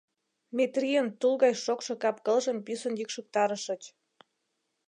Метрийын тул гай шокшо кап-кылжым писын йӱкшыктарышыч..